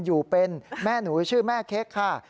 อยู่เป็นแม่หนูชื่อแม่เค้กค่ะ